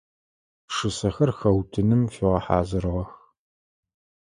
Пшысэхэр хэутыным фигъэхьазырыгъэх.